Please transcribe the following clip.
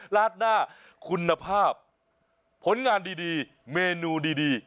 ราดหน้าคุณภาพผลงานดีเมนูดี